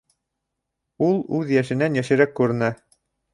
Ул үҙ йәшенән йәшерәк күренә.